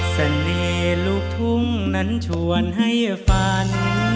เสน่ห์ลูกทุ่งนั้นชวนให้ฝัน